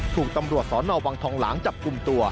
ถูกตำรวจสอนอวังทองหลางจับกลุ่มตัว